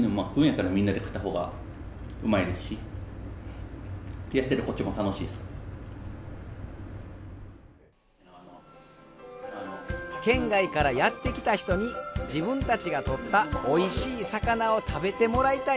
食うんやったら県外からやって来た人に自分たちがとったおいしい魚を食べてもらいたい。